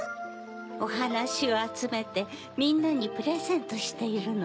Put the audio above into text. おはなしをあつめてみんなにプレゼントしているの。